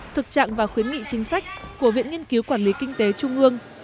thực trạng và khuyến nghị chính sách của viện nghiên cứu quản lý kinh tế trung ương